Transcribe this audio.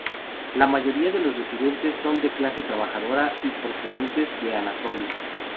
La mayoría de los residentes son de clase trabajadora y procedentes de Anatolia.